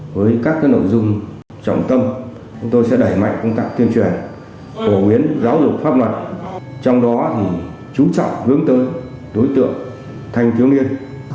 với các nội dung trọng tâm chúng tôi sẽ đẩy mạnh công tác tuyên truyền phổ biến giáo dục pháp luật trong đó chú trọng hướng tới đối tượng thanh thiếu niên